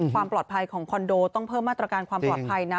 ความปลอดภัยของคอนโดต้องเพิ่มมาตรการความปลอดภัยนะ